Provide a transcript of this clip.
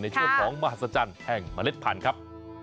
ในช่วงของมหัศจรรย์แห่งเมล็ดพันธุ์ครับ